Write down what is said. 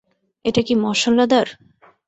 এটা কি মশলাদার?